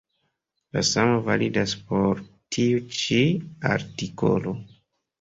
La samo validas por tiu ĉi artikolo.